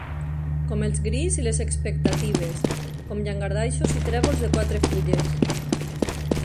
Com els grills i les expectatives; com llangardaixos i trèvols de quatre fulles.